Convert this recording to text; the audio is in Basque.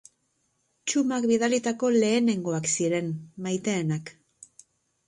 Txumak bidalitako lehenengoak ziren, maiteenak.